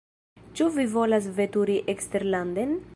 Ĉu vi volas veturi eksterlanden?